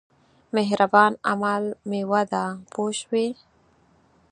مهربان عمل مېوه ده پوه شوې!.